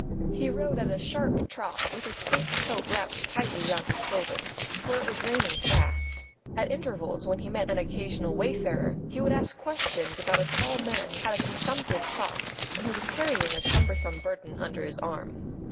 He rode at a sharp trot, with his caped coat wrapped tightly round his shoulders, for it was raining fast. At intervals, when he met an occasional wayfarer, he would ask questions about a tall man who had a consumptive cough, and who was carrying a cumbersome burden under his arm.